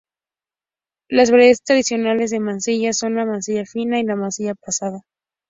Las variedades tradicionales de manzanilla son la manzanilla fina y la manzanilla pasada.